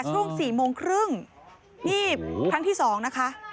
ช่วง๔โมงครึ่งนี่ครั้งที่สองนะคะ